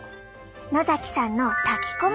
野さんの炊き込みご飯。